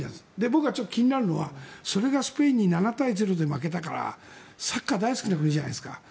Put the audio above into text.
僕がちょっと気になるのはそれがスペインに７対０で負けたからサッカー大好きな国じゃないですか。